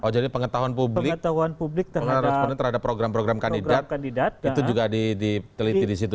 oh jadi pengetahuan publik terhadap program program kandidat itu juga diteliti di situ